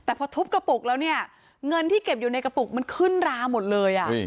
แต่พอทุบกระปุกแล้วเนี่ยเงินที่เก็บอยู่ในกระปุกมันขึ้นราหมดเลย